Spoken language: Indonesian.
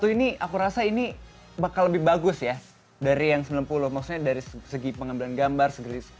ini aku rasa ini bakal lebih bagus ya dari yang sembilan puluh maksudnya dari segi pengambilan gambar segelis